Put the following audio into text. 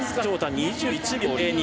２１秒０２。